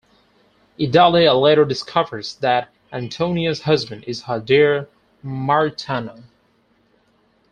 Idalia later discovers that Antonia's husband is her dear Myrtano.